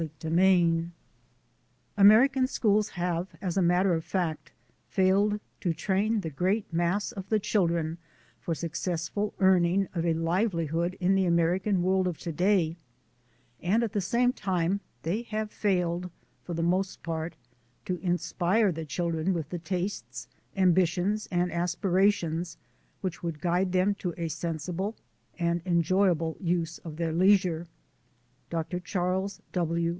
ke er & i to m AMERICAN schools have, as a matter of fact, failed to train the great mass of the children for successful earning of a livelihood in the American world oj to day, and at the same time they have failed, for the most part, to inspire the children with the tastes, ambitions, and aspirations which woidd guide them to a sensible and enjoyable use of their leisure. — Dr. Charles W.